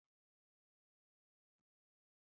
曷为先言王而后言正月？